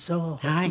はい。